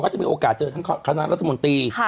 จะมีโอกาสเจอทั้งคณะรัฐมนตรี